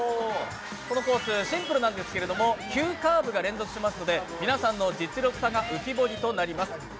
このコース、シンプルなんですけど急カーブが連続しますので皆さんの実力差が浮き彫りになります。